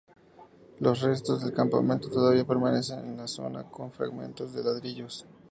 Los restos del campamento todavía permanecen en la zona, con fragmentos de ladrillos.